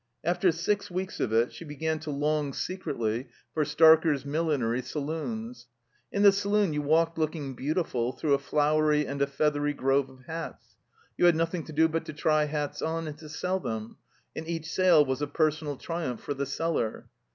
After six weeks of it she began to long secretly U7 THE COMBINED MAZE for Starker's Millinery Saloons. In the saloon you walked looking beautiful through a flowery and a feathery grove of hats. You had nothing to do but to try hats on and to sell them, and each sale was a personal triumph for the seller.